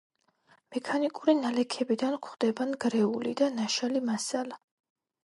მექანიკური ნალექებიდან გვხვდება ნგრეული და ნაშალი მასალა.